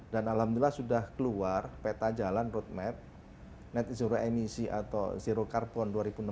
dan alhamdulillah sudah keluar peta jalan road map net zero emission atau zero carbon dua ribu enam puluh